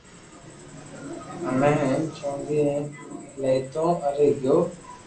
ھيم ھين چوندي بي ليون آوي گيو